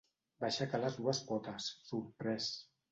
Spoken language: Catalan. Va aixecar les dues potes, sorprès.